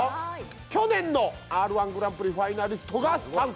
去年のＲ−１グランプリファイナリストが参戦！